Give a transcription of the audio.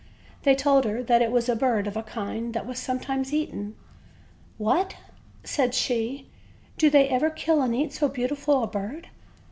They told her that it was a bird of a kind that was sometimes eaten. "What!" said she, "do they ever kill and eat so beau tiful a bird?